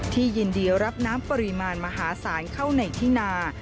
ยินดีรับน้ำปริมาณมหาศาลเข้าในที่นา